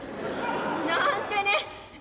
「なんてね。